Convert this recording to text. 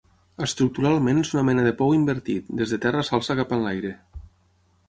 Estructuralment és una mena de pou invertit, des de terra s'alça cap enlaire.